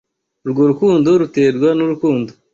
urwo rukundo ruterwa nurukundo